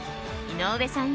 井上さん